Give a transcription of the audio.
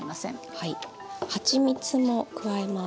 はちみつも加えます。